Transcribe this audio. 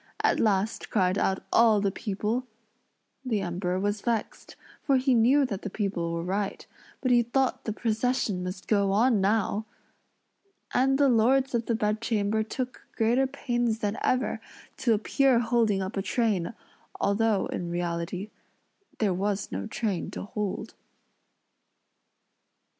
at last cried out all the people. The Emperor was vexed, for he knew that the people were right; but he thought the procession must go on now! And the lords of the bedchamber took greater pains than ever, to appear holding up a train, although, in reality, there was no train to hold.